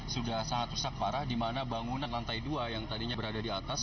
sudah sangat rusak parah di mana bangunan lantai dua yang tadinya berada di atas